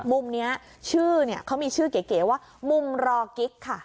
มุมนี้ชื่อเนี่ยเขามีชื่อเก๋ว่ามุมรอกิ๊กค่ะ